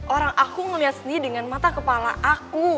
orang aku ngeliat sendiri dengan mata kepala aku